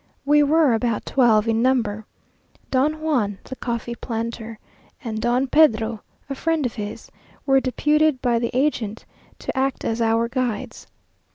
We were about twelve in number. Don Juan, the coffee planter, and Don Pedro, a friend of his, were deputed by the agent to act as our guides.